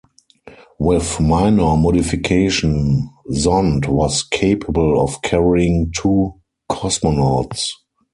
With minor modification, Zond was capable of carrying two cosmonauts.